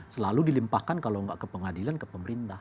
selalu dilimpahkan kalau nggak ke pengadilan ke pemerintah